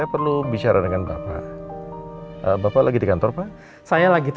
berfungsi dalam manfaat